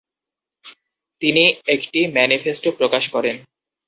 তিনি একটি ম্যানিফেস্টো প্রকাশ করেন।